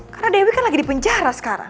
karena dewi kan lagi di penjara sekarang